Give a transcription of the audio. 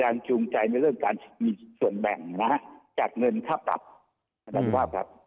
แรงจูงใจไว้เรื่องการมีส่วนแบ่งนะจบเงินครับนะ